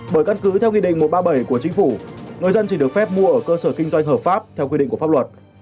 bởi căn cứ theo nghị định một trăm ba mươi bảy của chính phủ người dân chỉ được phép mua ở cơ sở kinh doanh hợp pháp theo quy định của pháp luật